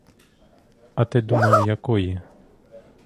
А ти думав, якої?